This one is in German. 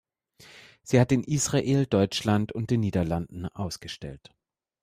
Sie hat in Israel, Deutschland und den Niederlanden ausgestellt.